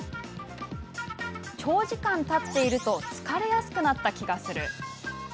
「長時間立っていると疲れやすくなった気がする」